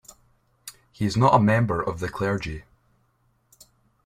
He is not a member of the clergy.